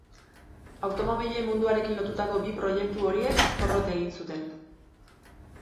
Automobilen munduarekin lotutako bi proiektu horiek porrot egin zuten.